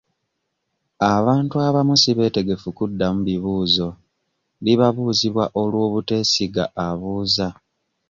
Abantu abamu si beetegefu kuddamu bibuuzo bibabuuzibwa olw'obuteesiga abuuza.